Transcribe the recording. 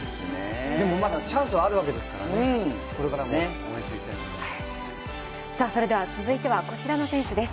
でもまだチャンスはあるわけですからこれからも応援していきたいです。